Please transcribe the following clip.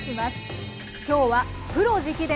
今日はプロ直伝！